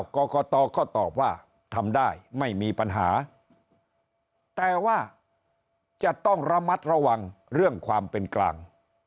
กรกตก็ตอบว่าทำได้ไม่มีปัญหาแต่ว่าจะต้องระมัดระวังเรื่องความเป็นกลาง